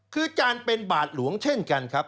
มันเป็นบาทหลวงเช่นกันครับ